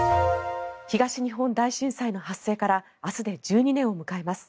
東日本大震災の発生から明日で１２年を迎えます。